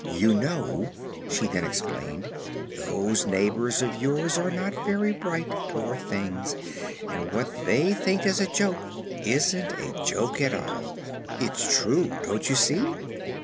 "You know," she then explained, "those neighbors of yours are not very bright, poor things, and what they think is a joke isn't a joke at all it's true, don't you see?"